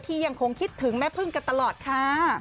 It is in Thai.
ยังคงคิดถึงแม่พึ่งกันตลอดค่ะ